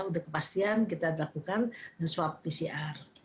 untuk kepastian kita dilakukan swab pcr